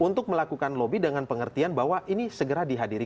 untuk melakukan lobby dengan pengertian bahwa ini segera dihadiri